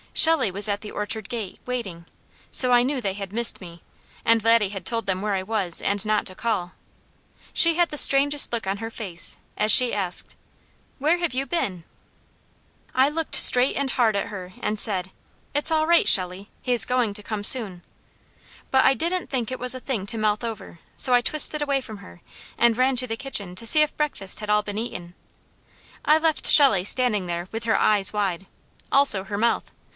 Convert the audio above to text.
Shelley was at the orchard gate, waiting; so I knew they had missed me, and Laddie had told them where I was and not to call. She had the strangest look on her face, as she asked: "Where have you been?" I looked straight and hard at her and said, "It's all right, Shelley. He's going to come soon"; but I didn't think it was a thing to mouth over, so I twisted away from her, and ran to the kitchen to see if breakfast had all been eaten. I left Shelley standing there with her eyes wide, also her mouth.